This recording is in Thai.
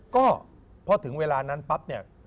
ก็พอถึงเวลานั้นปั๊บเนี่ย